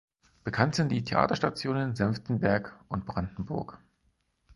Bekannt sind die Theaterstationen Senftenberg und Brandenburg.